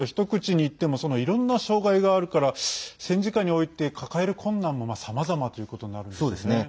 障害のある人と一口にいってもいろんな障害があるから戦時下において抱える困難もさまざまということになるんですね。